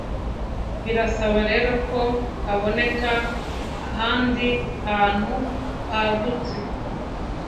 Birasaba rero ko haboneka ahandi hantu hagutse